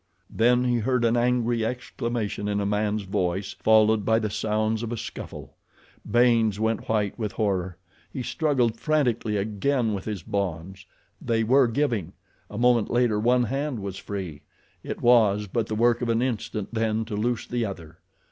Then he heard an angry exclamation in a man's voice, followed by the sounds of a scuffle. Baynes went white with horror. He struggled frantically again with his bonds. They were giving. A moment later one hand was free. It was but the work of an instant then to loose the other.